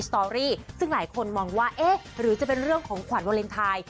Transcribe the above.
สตอรี่ซึ่งหลายคนมองว่าเอ๊ะหรือจะเป็นเรื่องของขวัญวาเลนไทย